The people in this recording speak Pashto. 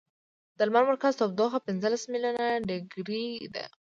د لمر مرکز تودوخه پنځلس ملیونه ډګري ده.